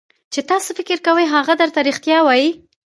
چې تاسو فکر کوئ هغه درته رښتیا وایي.